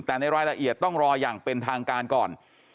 แต่ในรายละเอียดต้องรออย่างเป็นทางการก่อน